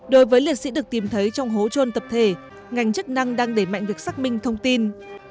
đối với liệt sĩ được tìm thấy trong hố trôn tập thể ngành chức năng đang để mạnh việc xác minh thông tin